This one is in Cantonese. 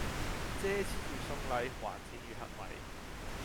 借錢如送禮，還錢如乞米